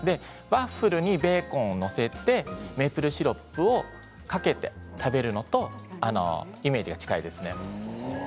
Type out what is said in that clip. ワッフルにベーコンを載せてメープルシロップをかけて食べるのとイメージが近いですね。